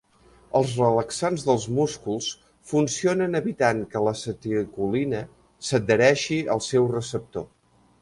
Els relaxants dels músculs funcionen evitant que l'acetilcolina s'adhereixi al seu receptor.